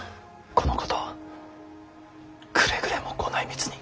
このことくれぐれもご内密に。